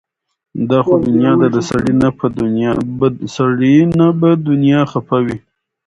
دا خو دنيا ده د سړي نه به دنيا خفه وي